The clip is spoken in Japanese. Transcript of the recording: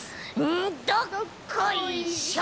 んどっこいしょ！